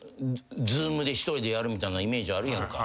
Ｚｏｏｍで一人でやるみたいなイメージあるやんか。